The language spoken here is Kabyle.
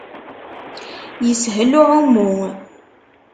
Yeshel uɛummu.